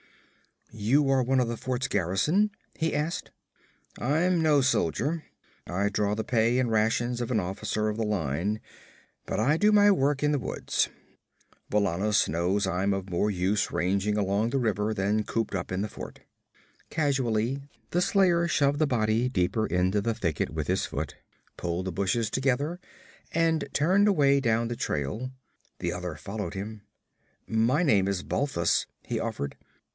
'You are one of the fort's garrison?' he asked. 'I'm no soldier. I draw the pay and rations of an officer of the line, but I do my work in the woods. Valannus knows I'm of more use ranging along the river than cooped up in the fort.' Casually the slayer shoved the body deeper into the thickets with his foot, pulled the bushes together and turned away down the trail. The other followed him. 'My name is Balthus,' he offered.